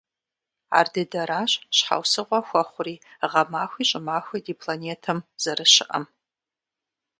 Ардыдэращ щхьэусыгъуэ хуэхъури гъэмахуи щӀымахуи ди планетэм зэрыщыӀэм.